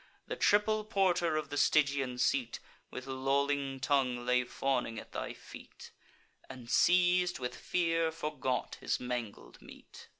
The triple porter of the Stygian seat, With lolling tongue, lay fawning at thy feet, And, seiz'd with fear, forgot his mangled meat.